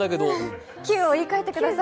９を言い換えてください。